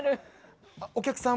お客さん